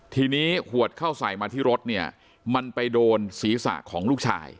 ทีนี้ขวดเข้าใส่มาที่รถเนี่ยมันไปโดนศีรษะของลูกชาย